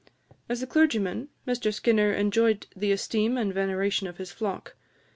As a clergyman, Mr Skinner enjoyed the esteem and veneration of his flock.